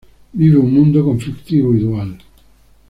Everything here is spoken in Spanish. Vive un mundo conflictivo y dual.